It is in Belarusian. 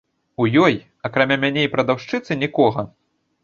У ёй, акрамя мяне і прадаўшчыцы, нікога.